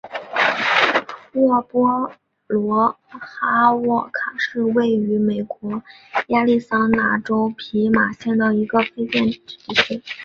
沃波罗哈沃卡是位于美国亚利桑那州皮马县的一个非建制地区。